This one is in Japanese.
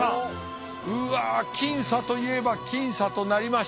うわ僅差といえば僅差となりました。